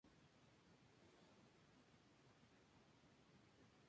El clima es tropical: cálido y húmedo.